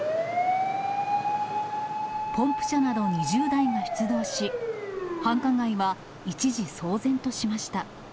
ポンプ車など２０台が出動し、繁華街は一時騒然としました。